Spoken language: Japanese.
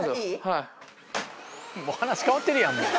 もう話変わってるやん。